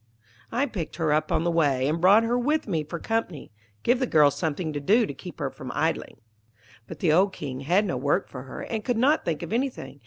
'I picked her up on the way, and brought her with me for company. Give the girl something to do to keep her from idling.' But the old King had no work for her, and could not think of anything.